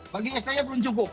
bagi sd nya belum cukup